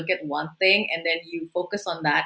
dan kemudian anda fokus pada itu